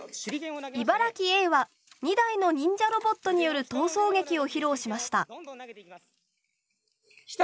茨城Ａは２台の忍者ロボットによる逃走劇を披露しました。